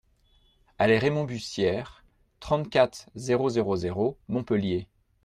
Allée Raymond Bussières, trente-quatre, zéro zéro zéro Montpellier